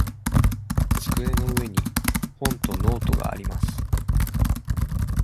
机の上に本とノートがあります。